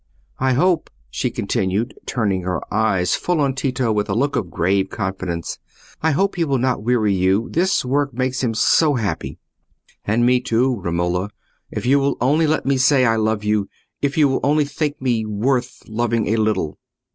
"I hope," she continued, turning her eyes full on Tito, with a look of grave confidence—"I hope he will not weary you; this work makes him so happy." "And me too, Romola—if you will only let me say, I love you—if you will only think me worth loving a little."